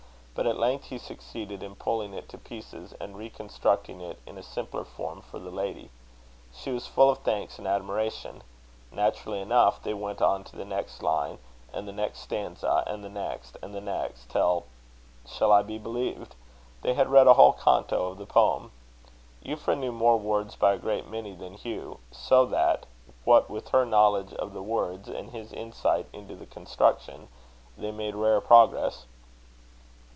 But at length he succeeded in pulling it to pieces and reconstructing it in a simpler form for the lady. She was full of thanks and admiration. Naturally enough, they went on to the next line, and the next stanza, and the next and the next; till shall I be believed? they had read a whole canto of the poem. Euphra knew more words by a great many than Hugh; so that, what with her knowledge of the words, and his insight into the construction, they made rare progress.